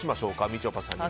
みちょぱさんに。